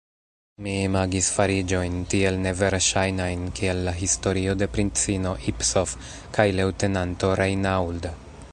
Mi imagis fariĝojn tiel neverŝajnajn, kiel la historio de princino Ipsof kaj leŭtenanto Reinauld.